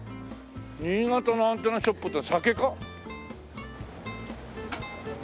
新潟のアンテナショップって酒か？